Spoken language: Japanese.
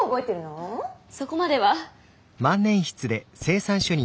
そこまでは。